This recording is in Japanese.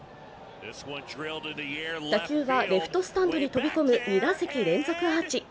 打球はレフトスタンドに飛び込む２打席連続アーチ。